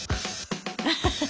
アハハッ。